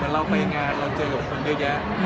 แต่คนบอกว่าเราลงรูปทุกอื่นในงานเกือบจะหมดเลย